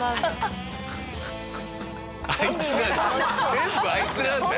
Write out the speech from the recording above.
全部あいつなんだよ。